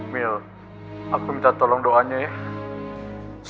mil aku minta tolong doanya ya